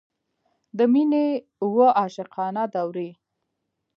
د مینې اوه عاشقانه دورې.